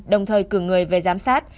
đồng thời cử người về giám sát